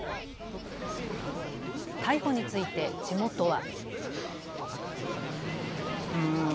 逮捕について地元は。